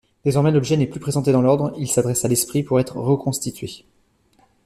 Désormais, l’objet n’est plus présenté dans l’ordre, il s’adresse à l’esprit pour être reconstitué.